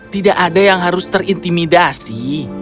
tidak ada yang harus terintimidasi